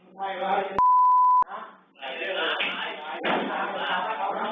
ที่วันนี้เป็นทราบดาบนี้